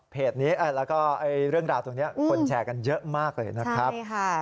นี้แล้วก็เรื่องราวตรงนี้คนแชร์กันเยอะมากเลยนะครับ